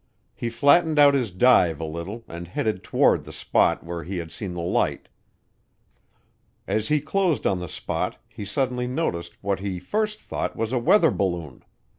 He flattened out his dive a little and headed toward the spot where he had seen the light. As he closed on the spot he suddenly noticed what he first thought was a weather balloon.